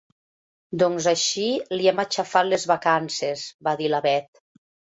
Doncs així li hem aixafat les vacances —va dir la Bet.